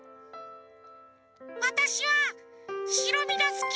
「わたしはしろみがすき！」。